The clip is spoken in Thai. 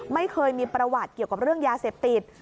ไม่เคยมีประวัติเกี่ยวกับเรื่องยาเสพติด